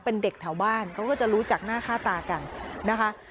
เป็นเด็กแถวบ้านเขาก็จะรู้จักหน้าค่าตากันนะคะ